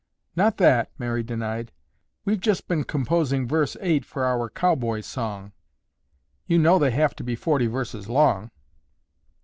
"Not that," Mary denied. "We've just been composing Verse Eight for our Cowboy Song. You know they have to be forty verses long.